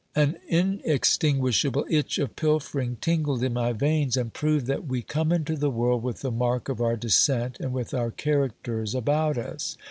An inextinguishable itch of pilfering tingled in my veins, and proved that we come into the world with the mark of our descent, and with our characters about us.